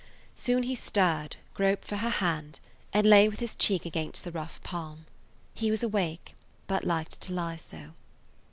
Soon he stirred, groped for her hand, and lay with his cheek against the rough palm. He was awake, but liked to lie so.